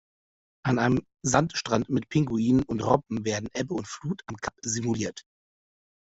An einem Sandstrand mit Pinguinen und Robben werden Ebbe und Flut am Kap simuliert.